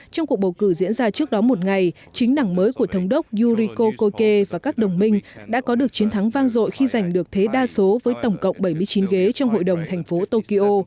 trong cuộc bầu cử diễn ra trước đó một ngày chính đảng mới của thống đốc yuriko koke và các đồng minh đã có được chiến thắng vang dội khi giành được thế đa số với tổng cộng bảy mươi chín ghế trong hội đồng thành phố tokyo